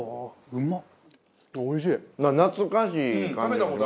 うまっ！